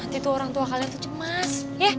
bukan kalian tuh cemas